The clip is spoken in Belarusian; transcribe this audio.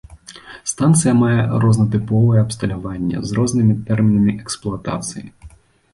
Станцыя мае рознатыповае абсталяванне з рознымі тэрмінамі эксплуатацыі.